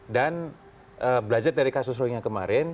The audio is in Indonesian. dan belajar dari kasus rohingya kemarin